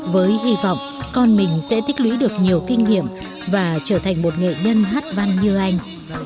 với hy vọng con mình sẽ tích lũy được nhiều kinh nghiệm và trở thành một nghệ nhân hát văn như anh